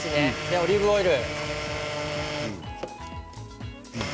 オリーブオイル。